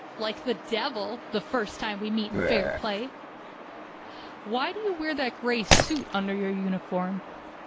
"Like the devil, the first time we meet in fair play." "Why do you wear that gray suit under your uniform?"